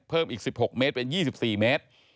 เพิ่มอีก๑๖เมตรเป็น๒๔เมตร